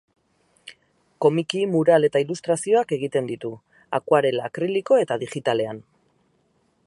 Komiki, mural eta ilustrazioak egiten ditu, akuarela, akriliko eta digitalean.